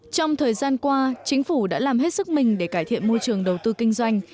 trong thời gian qua chính phủ đã làm hết sức mình để cải thiện môi trường đầu tư kinh doanh